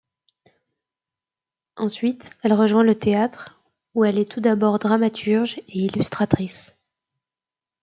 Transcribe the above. Ensuite, elle rejoint le théâtre où elle est tout d'abord dramaturge et illustratrice.